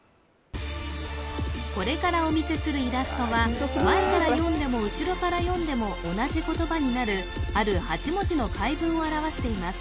これからお見せするイラストは前から読んでも後ろから読んでも同じ言葉になるある８文字の回文を表しています